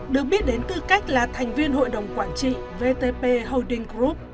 được biết đến tư cách là thành viên hội đồng quản trị vtp holding group